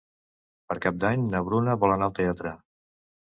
Per Cap d'Any na Bruna vol anar al teatre.